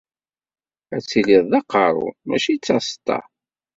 Ad tiliḍ d aqerru mačči d taseṭṭa.